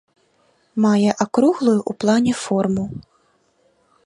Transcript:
Мае акруглую ў плане форму.